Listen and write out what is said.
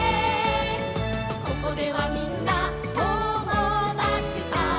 「ここではみんな友だちさ」